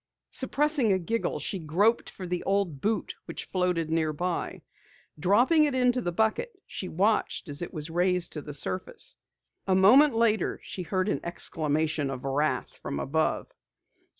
Suppressing a giggle, she groped for the old boot which floated nearby. Dropping it into the bucket, she watched as it was raised to the surface. A moment later she heard an exclamation of wrath from above.